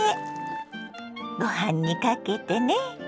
ご飯にかけてね。